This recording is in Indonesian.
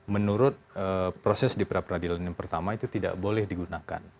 menurut proses di pra peradilan yang pertama itu tidak boleh digunakan